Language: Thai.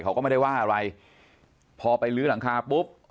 เขาก็ไม่ได้ว่าอะไรพอไปลื้อหลังคาปุ๊บ